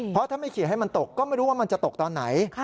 เพราะถ้าไม่เขียนให้มันตกก็ไม่รู้ว่ามันจะตกตอนไหน